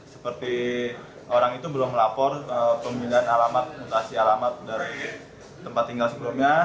seperti orang itu belum melapor pemindahan alamat mutasi alamat dari tempat tinggal sebelumnya